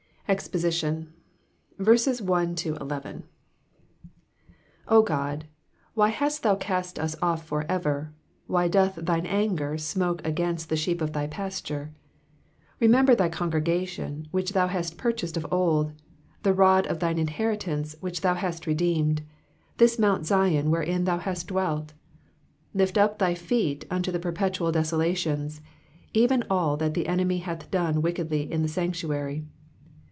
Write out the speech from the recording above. EXPOSITION. O GOD, why hast thou cast «j off for ever? wAj/ doth thine anger snnoke against the sheep of thy pasture ? 2 Remember thy congregation, which thou hast purchased of old; the rod of thine inheritance, which thou hast redeemed ; this mount Zion, wherein thou hast dwelt. 3 Lift up thy feet unto the perpetual desolations ; even all that the enemy hath done wickedly in the sanctuary.